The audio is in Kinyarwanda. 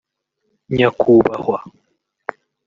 nyakubahwa